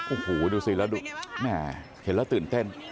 โอ้โหดูสิแล้วดูแม่เห็นแล้วตื่นเต้น